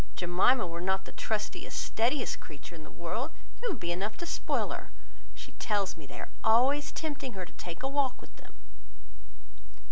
If Jemima were not the trustiest, steadiest creature in the world, it would be enough to spoil her; for she tells me, they are always tempting her to take a walk with them."